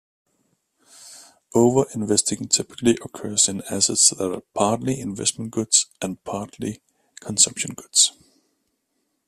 Over-investing typically occurs in assets that are partly investment goods and partially consumption goods.